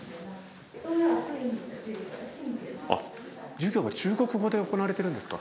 授業は中国語で行われてるんですか？